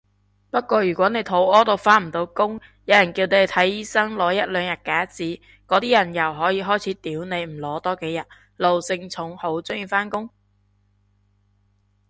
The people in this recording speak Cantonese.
不過如果你肚痾到返唔到工，有人叫你睇醫生攞一兩日假紙，嗰啲人又可以開始屌你唔攞多幾日，奴性重好鍾意返工？